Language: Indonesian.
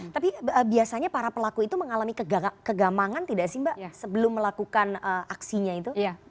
tapi biasanya para pelaku itu mengalami kegamangan tidak sih mbak sebelum melakukan aksinya itu